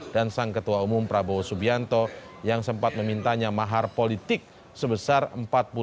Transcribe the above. dan sang ketua umum prabowo subianto yang sempat memintanya mahar politik sebesar empat puluh miliar rupiah